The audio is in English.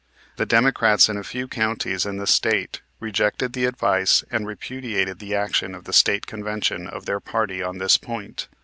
The Democrats in a few counties in the State rejected the advice and repudiated the action of the State Convention of their party on this point.